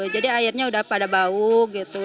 jadi airnya udah pada bau gitu